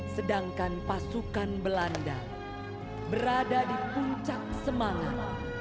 sedangkan pasukan belanda berada di puncak semangat